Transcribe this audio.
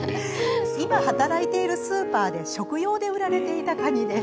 今、働いているスーパーで食用で売られていたカニです。